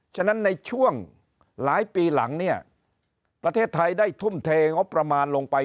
ฉะนั้นในช่วงหลายปีหลังเนี่ยประเทศไทยได้ทุ่มเทงบประมาณลงไป